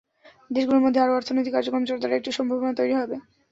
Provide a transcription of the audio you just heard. দেশগুলোর মধ্যে আরও অর্থনৈতিক কার্যক্রম জোরদারের একটি নতুন সম্ভাবনা তৈরি হবে।